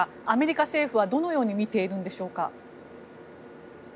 アメリカ政府はどのように見ているんでしょうか？